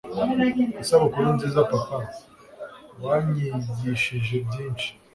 isabukuru nziza papa wanyigishije byinshi